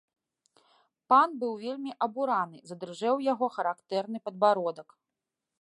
Пан быў вельмі абураны, задрыжэў яго характэрны падбародак.